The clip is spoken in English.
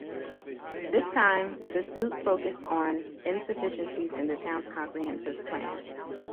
This time, the suit focused on insufficiencies in the town's comprehensive plan.